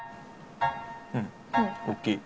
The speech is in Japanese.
うん大きい。